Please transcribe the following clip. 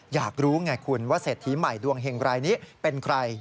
อยากรู้ไงคุณว่าเศรษฐีใหม่ดวงเห็งรายนี้เป็นใคร